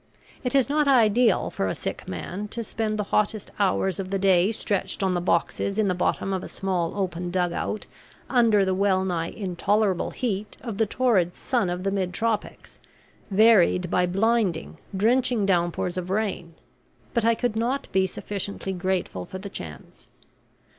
It is not ideal for a sick man to spend the hottest hours of the day stretched on the boxes in the bottom of a small open dugout, under the well nigh intolerable heat of the torrid sun of the mid tropics, varied by blinding, drenching downpours of rain; but I could not be sufficiently grateful for the chance.